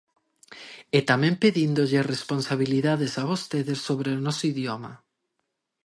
E tamén pedíndolles responsabilidades a vostedes sobre o noso idioma.